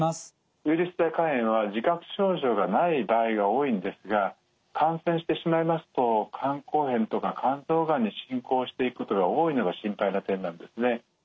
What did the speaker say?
ウイルス性肝炎は自覚症状がない場合が多いんですが感染してしまいますと肝硬変とか肝臓がんに進行していくことが多いのが心配な点なんですね。